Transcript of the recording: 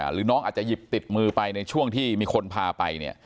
หรือน้องอาจจะหยิบติดมือไปในช่วงที่มีคนพาไปเนี่ย